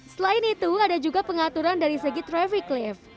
selain itu ada juga pengaturan dari segi traffic lift